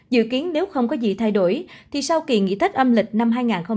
dự kiến nếu không có gì thay đổi thì sau kỳ nghỉ tết âm lịch năm hai nghìn hai mươi